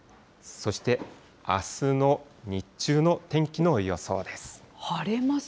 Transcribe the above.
そしてあすの日中の天気の予想です。